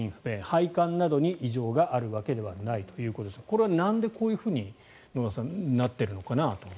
配管などに異常があるわけではないということですがこれは、なんでこういうふうになってるのかなと。